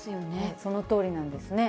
そのとおりなんですね。